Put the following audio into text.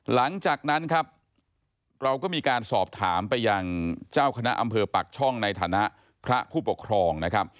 หลังจากนั้นครับเราก็มีการสอบถามไปยังเจ้าคณะอำเภอปักช่องในฐานะพระผู้ปกครองนะครับ